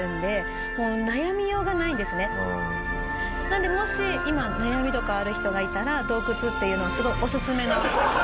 なのでもし今悩みとかある人がいたら洞窟っていうのはすごいオススメの場所だったりもします。